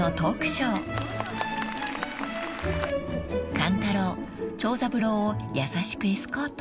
［勘太郎長三郎を優しくエスコート］